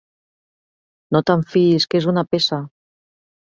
No te'n fiïs, que és una peça!